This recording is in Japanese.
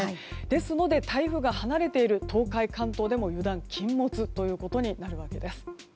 ですので、台風から離れている東海、関東でも油断禁物ということになるわけです。